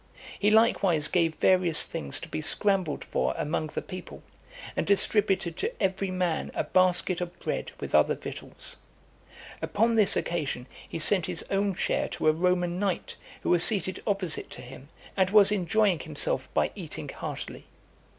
He likewise gave various things to be scrambled for among the people, and distributed to every man a basket of bread with other victuals. Upon this occasion, he sent his own share to a Roman knight, who was seated opposite to him, and was enjoying himself by eating heartily.